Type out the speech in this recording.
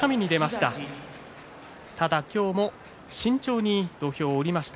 ただ今日も慎重に土俵を下りました。